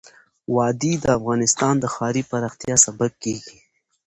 وادي د افغانستان د ښاري پراختیا سبب کېږي.